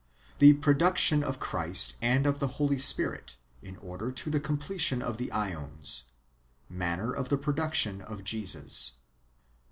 The production of Christ and of the Holy Spirit, in order to the completion of the jEons. Manner of the production of Jesus.